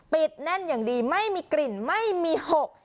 แน่นอย่างดีไม่มีกลิ่นไม่มีหก